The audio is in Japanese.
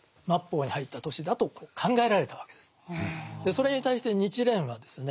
それに対して日蓮はですね